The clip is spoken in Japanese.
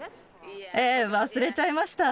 ええ、忘れちゃいました。